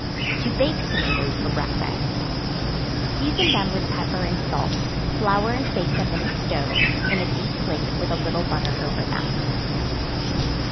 To Bake Tomatoes for Breakfast. Season them with pepper and salt; flour and bake them in a stove, in a deep plate with a little butter over them.